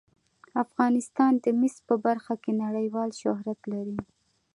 افغانستان د مس په برخه کې نړیوال شهرت لري.